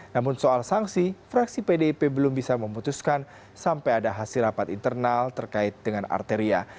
namun soal sanksi fraksi pdip belum bisa memutuskan sampai ada hasil rapat internal terkait dengan arteria